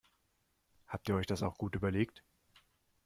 Habt ihr euch das auch gut überlegt?